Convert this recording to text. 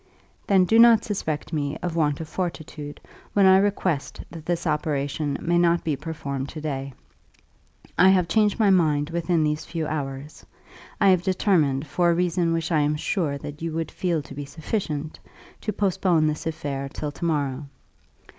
"Then do not suspect me of want of fortitude, when I request that this operation may not be performed to day. I have changed my mind within these few hours. I have determined, for a reason which I am sure that you would feel to be sufficient, to postpone this affair till to morrow.